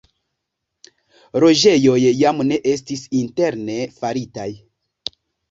Loĝejoj jam ne estis interne faritaj.